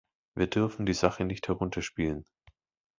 Wir dürfen die Sache nicht herunterspielen.